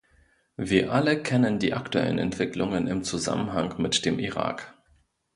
Wir alle kennen die aktuellen Entwicklungen im Zusammenhang mit dem Irak.